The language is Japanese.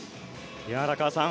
荒川さん